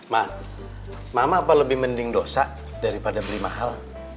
mak mama apa lebih mending dosa daripada beli mahal